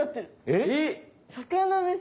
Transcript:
えっ！